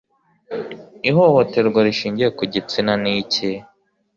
ihohoterwa rishingiye ku gitsina ni iki